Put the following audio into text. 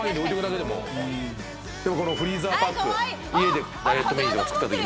で、このフリーザーバッグ。